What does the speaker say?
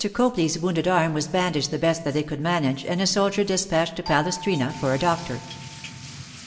COPLEY'S wounded arm was bandaged the best that they could manage and a soldier dispatched to Palestrina for a doctor.